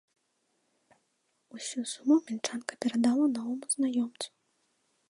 Усю суму мінчанка перадала новаму знаёмцу.